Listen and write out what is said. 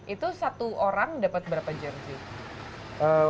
itu satu orang dapat berapa jersey